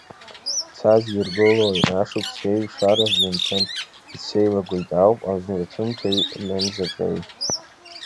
Ца зиргылои, ашықәсеиҩшараз ианҭәым, ицәеилагоит ауп амзаҭәымҭеи амзаҿеи.